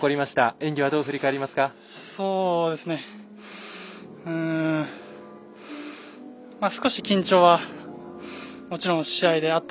演技はどう振り返りました？